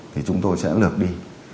thì chúng tôi sẽ lược đi